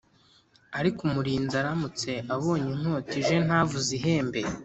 Ariko umurinzi aramutse abonye inkota ije ntavuze ihembe